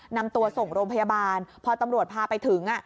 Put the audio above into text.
นำตัวส่งโรงพยาบาลพอตำรวจพาไปถึง